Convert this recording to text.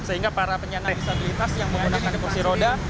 sehingga para penyenang disabilitas yang menggunakan deposi roda